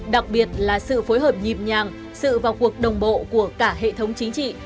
đặc biệt là sự phối hợp nhịp nhàng sự vào cuộc đồng bộ của cả hệ thống chính trị